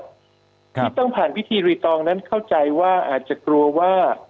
ที่ต้องผ่านพิธีรีตองนั้นเข้าใจว่าอาจจะกลัวว่า